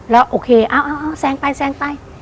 แล้วโอเคเอาแซงไป